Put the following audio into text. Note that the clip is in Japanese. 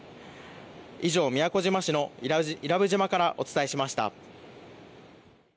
以上、宮古島市の伊良部島からお伝えしました。